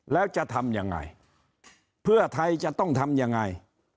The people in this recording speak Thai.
แล้วจะทำยังไงเพื่อไทยจะต้องทำยังไง